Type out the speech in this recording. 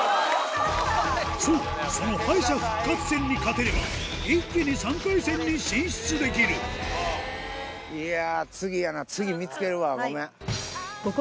そうその敗者復活戦に勝てれば一気に３回戦に進出できる国際雪ハネ選手権いや